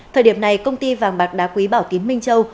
thời điểm này công ty vàng bạc đá quý bảo tín minh châu